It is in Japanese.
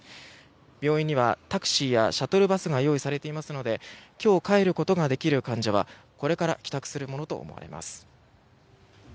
病院にはタクシーやシャトルバスが用意されていますので今日、帰ることができる患者はこれから帰宅するものと思われます。